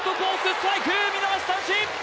ストライク見逃し三振！